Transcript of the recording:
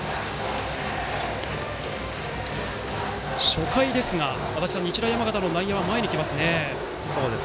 初回ですが、日大山形の内野は前に来ますね。